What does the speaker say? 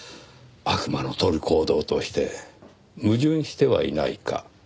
悪魔の取る行動として矛盾してはいないか。